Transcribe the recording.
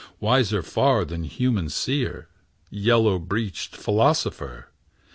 Wiser far than human seer, Yellow breeched philosopher!